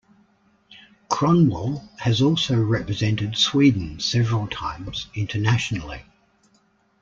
Kronwall has also represented Sweden several times internationally.